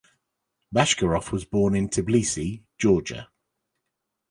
Bashkirov was born in Tbilisi, Georgia.